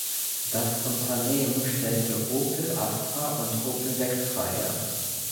Das Unternehmen stellte Opel Astra und Opel Vectra her.